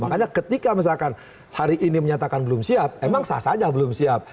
makanya ketika misalkan hari ini menyatakan belum siap emang sah saja belum siap